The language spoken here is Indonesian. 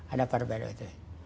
ada paru baru itu